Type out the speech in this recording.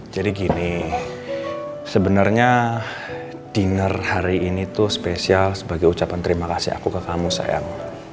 jadi gini sebenarnya dinner hari ini tuh spesial sebagai ucapan terima kasih aku ke kamu sayang